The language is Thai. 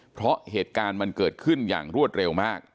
เพราะเหตุการณ์มันเกิดขึ้นอย่างรวดเร็วมาก